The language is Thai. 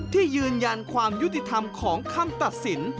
ที่ยืนยันความยุติธรรมของคำตัดสิน